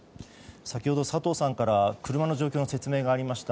先ほど佐藤さんから車の状況の説明がありました。